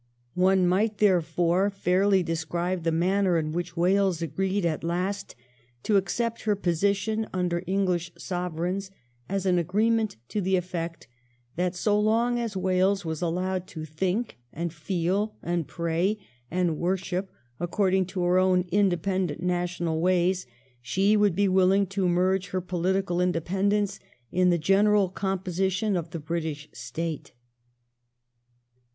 One might there fore fairly describe the manner in which Wales agreed at last to accept her position under English Sovereigns as an agreement to the effect that so long as Wales was allowed to think and feel and pray and worship according to her own independent national ways, she would be willing to merge her political independence in the general composition of the British State.